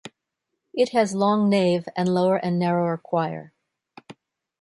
It has long nave and lower and narrower choir.